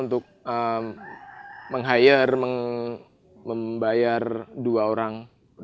untuk menggaji dan membayar dua orang guru